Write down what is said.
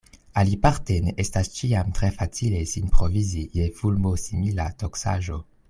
Aliparte ne estas ĉiam tre facile sin provizi je fulmosimila toksaĵo.